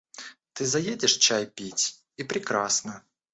Ты заедешь чай пить, и прекрасно!